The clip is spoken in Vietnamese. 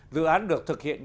dự án được thực hiện